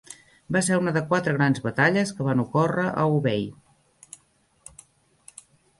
Va ser una de quatre grans batalles que van ocórrer a Hubei.